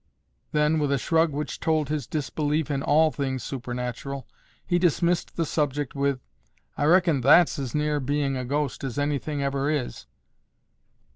Then, with a shrug which told his disbelief in all things supernatural, he dismissed the subject with, "I reckon that's as near being a ghost as anything ever is."